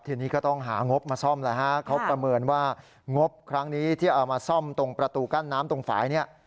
ทีนี้ก็ต้องหางบมาซ่อมแล้วฮะเขาประเมินว่างบครั้งนี้ที่เอามาซ่อมตรงประตูกั้นน้ำตรงฝ่ายเนี่ย